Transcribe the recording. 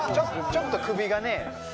ちょっと首がね。